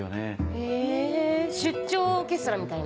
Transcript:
へぇ出張オーケストラみたいな？